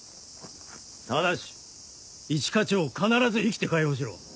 ただし一課長を必ず生きて解放しろ。